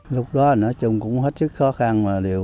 lúc đó nói chung cũng hết sức khó khăn